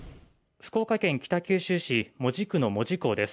福岡県北九州市門司区の門司港です。